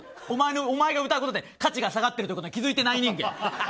お前が歌うことで価値が下がってることに気づいてない人間。